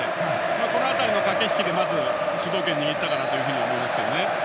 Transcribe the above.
この辺りの駆け引きでまず主導権を握ったと思います。